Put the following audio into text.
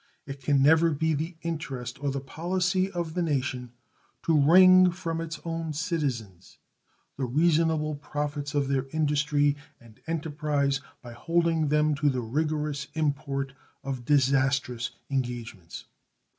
It can never be the interest or the policy of the nation to wring from its own citizens the reasonable profits of their industry and enterprise by holding them to the rigorous import of disastrous engagements.